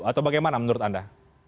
atau bagaimana menurut anda